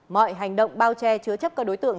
mọi hành động bao che chứa chấp các đối tượng